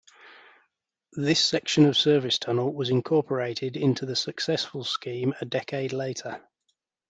This section of service tunnel was incorporated into the successful scheme a decade later.